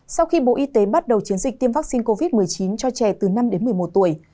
sau khi bộ y tế bắt đầu chiến dịch tiêm vaccine covid một mươi chín cho trẻ từ năm đến một mươi một tuổi